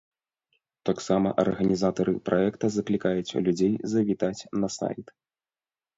Таксама арганізатары праекта заклікаюць людзей завітаць на сайт.